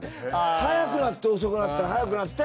速くなって遅くなって速くなって。